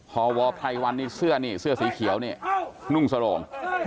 ฮอวอภรรย์ไพรวันเสื้อนี่เสื้อสีเขียวนุ่งสโรม